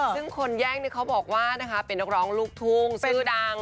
ซึ่งคนแย่งบอกว่าเป็นนักร้องลูกทุกชื่อดัง